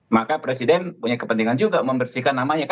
maka presiden punya kepentingan juga membersihkan namanya